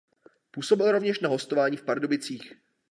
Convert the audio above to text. Působil rovněž na hostování v Pardubicích.